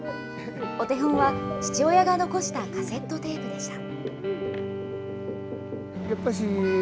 お手本は、父親が残したカセットテープでした。